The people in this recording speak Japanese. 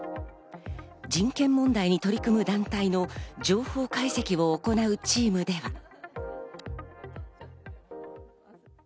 人権問題に取り組む団体の情報解析を行うチームでは。